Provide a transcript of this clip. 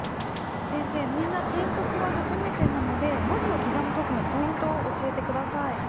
先生みんな篆刻は初めてなので文字を刻む時のポイントを教えて下さい。